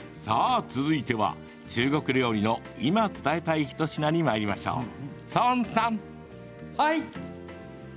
さあ、続いては中国料理の今、伝えたい一品にまいりましょう。